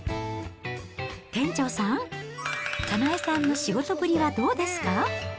店長さん、かなえさんの仕事ぶりはどうですか？